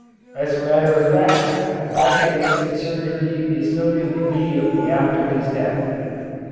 As matter of fact, decadence in surgery is noted immediately after his death.